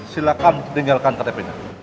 silahkan tinggalkan kerepinnya